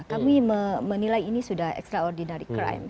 kami menilai ini sudah extraordinary crime